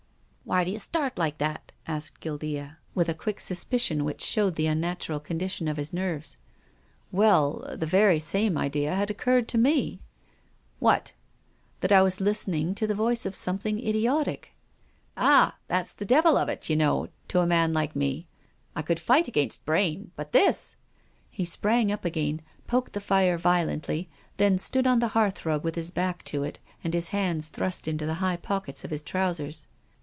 " Why d'you start like that?" asked Guildea, with a quick suspicion which showed the unnatural condition of his nerves. " Well, the very same idea had occurred to me." PROFESSOR GUILDEA. 319 " What ?"" That I was listening to the voice of something idiotic." " Ah ! That's the devil of it, you know, to a man like me. I could fight against brain — but this 1" He sprang up again, poked the fire violently, then stood on the hearth rug with his back to it, and his hands thrust into the high pockets of his trousers.